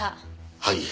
はい。